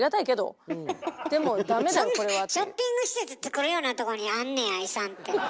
そんなショッピング施設つくるようなとこにあんねや遺産って。